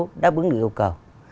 chiến đấu đáp ứng được yêu cầu